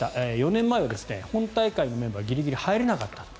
４年前は本大会のメンバーにギリギリ入れなかった。